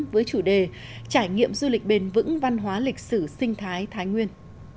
với chủ đề trải nghiệm du lịch bền vững văn hóa lịch sử sinh thái thái nguyên